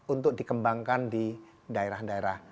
untuk dikembangkan di daerah daerah